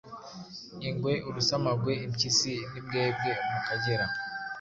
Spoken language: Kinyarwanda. ingwe, urusamagwe, impyisi n’imbwebwe.mukagera